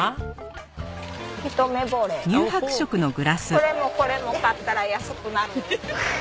これもこれも買ったら安くなる？